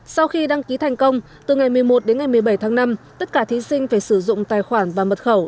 sau khi đăng ký thành công từ ngày một mươi một đến ngày một mươi bảy tháng năm tất cả thí sinh phải sử dụng tài khoản và mật khẩu